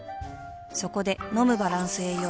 そこで飲むバランス栄養食